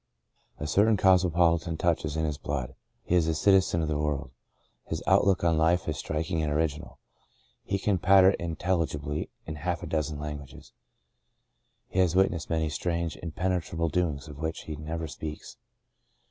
A certain cosmopolitan touch is in his blood — he is a citizen of the world. His outlook on life is striking and original. He can patter intelligibly in half a dozen languages ; he has wit nessed many strange, impenetrable doings of which he never speaks.